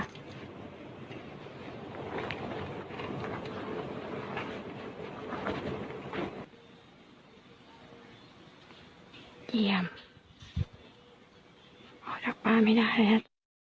ออกจากบ้านไม่ได้เลยครับ